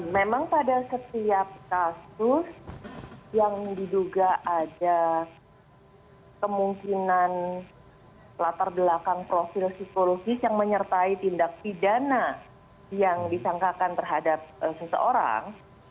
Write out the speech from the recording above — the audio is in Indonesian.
memang pada setiap kasus yang diduga ada kemungkinan latar belakang profil psikologis yang menyertai tindak pidana yang disangkakan terhadap seseorang